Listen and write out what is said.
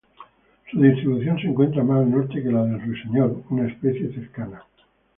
Su distribución se encuentra más al norte que la del ruiseñor, una especie cercana.